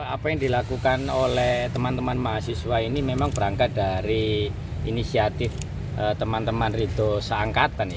apa yang dilakukan oleh teman teman mahasiswa ini memang berangkat dari inisiatif teman teman rito seangkatan